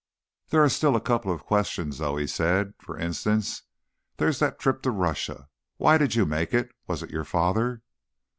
"There are still a couple of questions, though," he said. "For instance, there's that trip to Russia. Why did you make it? Was it your father?"